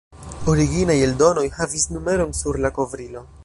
Originaj eldonoj havis numeron sur la kovrilo.